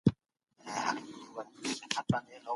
نېکمرغي په خپل هیواد کي ولټوه.